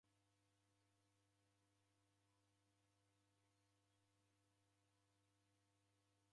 Ndekuna mndungi wakuzera ndekudimagha